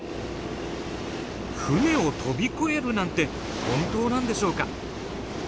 船を飛び越えるなんて本当なんでしょうか？